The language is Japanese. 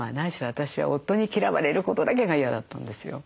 私は夫に嫌われることだけが嫌だったんですよ。